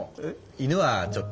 犬はちょっと。